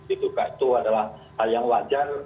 itu adalah hal yang wajar